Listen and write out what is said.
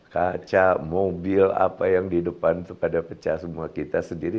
kaca mobil apa yang di depan itu pada pecah semua kita sendiri